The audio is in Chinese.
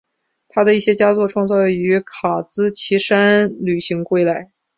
他的一些佳作创作于卡兹奇山旅行归来。